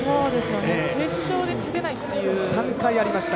決勝で勝てないという。